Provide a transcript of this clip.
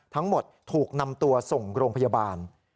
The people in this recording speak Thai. ทั้งหมดถูกนำตัวส่งโรงพยาบาล